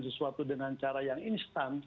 sesuatu dengan cara yang instan